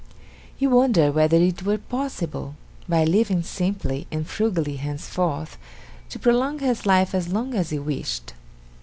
He wondered whether it were possible, by living simply and frugally henceforth, to prolong his life as long as he wished.